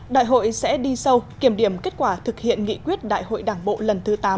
đại hội sẽ đi sâu kiểm điểm kết quả thực hiện nghị quyết đại hội đảng bộ lần thứ tám